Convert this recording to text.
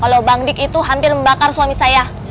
kalau bangdik itu hampir membakar suami saya